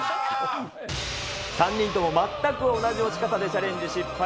３人とも全く同じ落ち方でチャレンジ失敗。